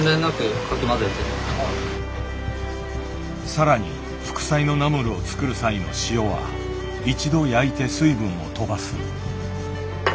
更に副菜のナムルを作る際の塩は一度焼いて水分をとばす。